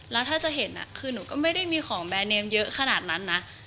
แล้วถ้าจะเห็นคือหนูก็ไม่ได้มีของแบรนเนมเยอะขนาดนั้นนะ